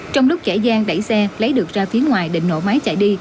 trong lúc kẻ gian đẩy xe lấy được ra phía ngoài để nổ máy chạy đi